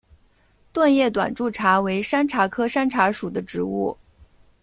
钝叶短柱茶为山茶科山茶属的植物。